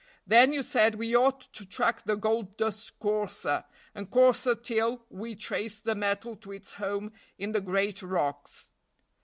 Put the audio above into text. Then you said we ought to track the gold dust coarser and coarser till we traced the metal to its home in the great rocks."